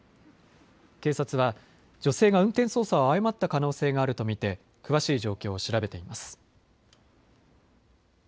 警察は女性が運転操作を誤った可能性があると見て詳しい状況を調べています。